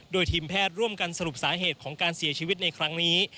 โดยทีมแพทย์ร่วมกันสรุปสาเหตุของการเสียชีวิตในครั้งนี้